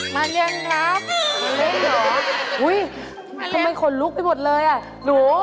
มาเล่นกันเถอะ